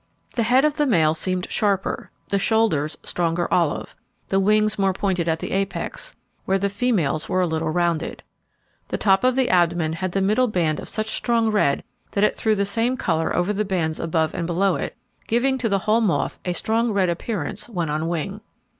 The head of the male seemed sharper, the shoulders stronger olive, the wings more pointed at the apex, where the female's were a little rounded. The top of the abdomen had the middle band of such strong red that it threw the same colour over the bands above and below it; giving to the whole moth a strong red appearance when on wing.